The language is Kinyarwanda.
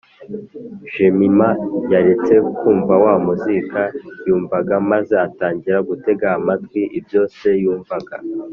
Jemima yaretse kumva wa muzika yumvaga maze atangira gutega amatwi ibyo se yumvaga